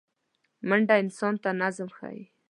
منډه انسان ته نظم ښيي